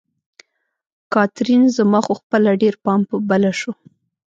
کاترین: زما خو خپله ډېر پام په بله شو.